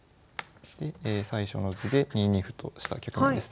最初の図で２二歩とした局面ですね。